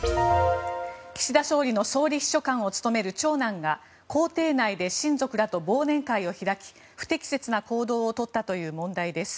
岸田総理の総理秘書官を務める長男が公邸内で親族らと忘年会を開き不適切な行動を取ったという問題です。